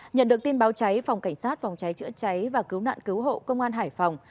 nhận được tin báo cháy phòng cảnh sát phòng cháy chữa cháy và cứu nạn cứu hộ công an hải phòng